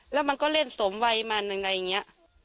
แล้วมันก็เล่นสมวัยมันอะไรอย่างนี้